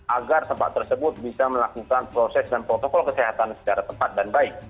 agar tempat tersebut bisa melakukan proses dan protokol kesehatan secara tepat dan baik